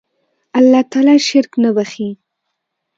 الله تعالی شرک نه بخښي